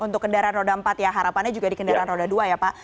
untuk kendaraan roda empat ya harapannya juga di kendaraan roda dua ya pak